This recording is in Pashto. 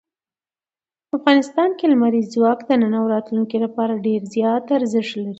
افغانستان کې لمریز ځواک د نن او راتلونکي لپاره ډېر زیات ارزښت لري.